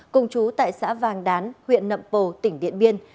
cùng chú tại xã vàng đán huyện nậm pồ tỉnh điện biên